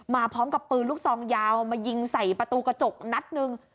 มาพร้อมกับปืนลูกซองยาวมายิงใส่ประตูกระจกนัดหนึ่ง